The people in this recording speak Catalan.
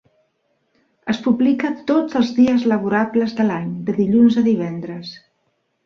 Es publica tots els dies laborables de l'any, de dilluns a divendres.